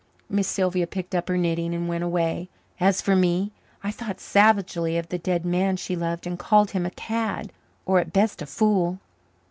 Miss Sylvia picked up her knitting and went away. As for me, I thought savagely of the dead man she loved and called him a cad, or at best, a fool.